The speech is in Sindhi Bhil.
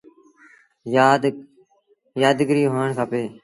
يآد گريٚ هوڻ کپي۔